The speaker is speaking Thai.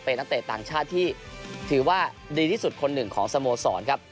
เป็นนักเตะต่างชาติที่ถือว่าดีที่สุดคนหนึ่งของสโมสรครับ